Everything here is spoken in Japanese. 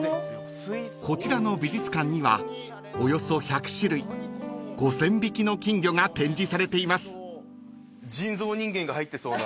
［こちらの美術館にはおよそ１００種類５，０００匹の金魚が展示されています］